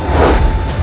aku mau makan